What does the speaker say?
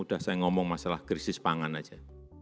sudah saya ngomong masalah krisis pangan saja